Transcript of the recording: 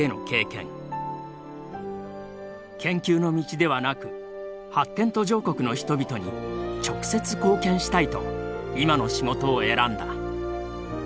研究の道ではなく発展途上国の人々に直接貢献したいと今の仕事を選んだ。